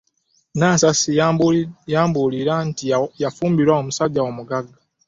Nansasi yambuulira nti yafumbirwa omusajja omugagga.